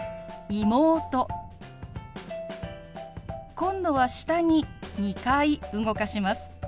今度は下に２回動かします。